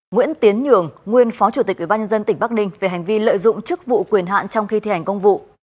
nguyễn tiến nhường nguyên phó chủ tịch ubnd tỉnh bắc ninh về hành vi lợi dụng chức vụ quyền hạn trong khi thi hành công vụ